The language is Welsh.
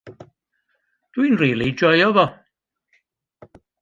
Dw i'n rili joio fo.